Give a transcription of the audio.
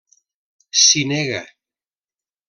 S'hi nega.